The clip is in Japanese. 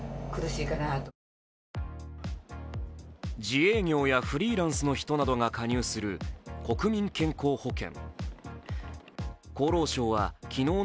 自営業やフリーランスの人などが加入する国民健康保険。